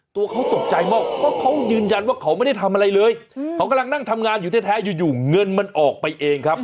ตัวเขาตกใจมากเพราะเขายืนยันว่าเขาไม่ได้ทำอะไรเลยเขากำลังนั่งทำงานอยู่แท้อยู่เงินมันออกไปเองครับ